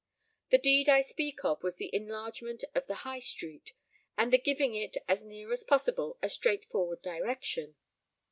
The deed I speak of was the enlargement of the High street, and the giving it as near as possible a straightforward direction.